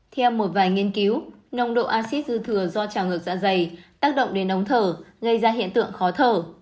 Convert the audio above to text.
theo một vài nghiên cứu nồng độ axit dư thừa do trào ngược dạ dày tác động đến nóng thở gây ra hiện tượng khó thở